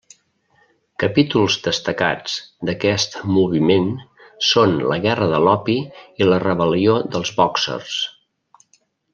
Capítols destacats d'aquest moviment són la Guerra de l'opi i la rebel·lió dels bòxers.